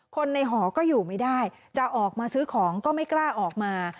คนในหอก็อยู่ไม่ได้จะออกมาซื้อของก็ไม่กล้าออกมา